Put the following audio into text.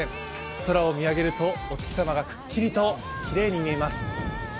空を見上げるとお月様がくっきりときれいに見えます。